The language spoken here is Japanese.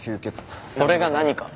それが何か？